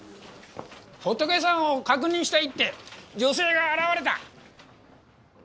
ホトケさんを確認したいって女性が現れた。